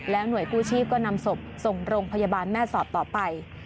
หน่วยกู้ชีพก็นำศพส่งโรงพยาบาลแม่สอดต่อไป